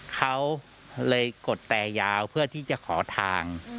เขาเลยกดแต่ยาวเพื่อที่จะขอทาง